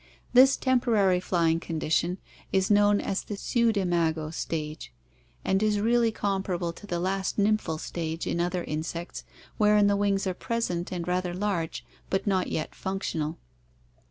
This temporary flying condition is known as the pseudimago stage, and is really comparable to the last nymphal stage in other insects wherein the wings are present and rather large but not yet functional.